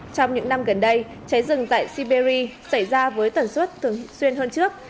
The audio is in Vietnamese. trong những năm gần đây cháy rừng tại siberia xảy ra với tần suất thường xuyên hơn trước